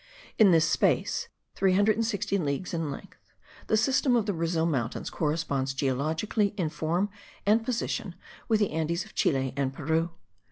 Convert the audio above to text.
In this space, 360 leagues in length, the system of the Brazil mountains corresponds geologically in form and position with the Andes of Chile and Peru.